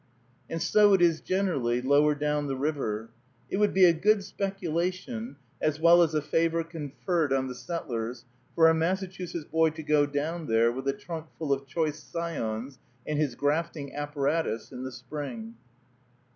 And so it is generally, lower down the river. It would be a good speculation, as well as a favor conferred on the settlers, for a Massachusetts boy to go down there with a trunk full of choice scions, and his grafting apparatus, in the spring.